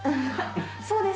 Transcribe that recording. そうです。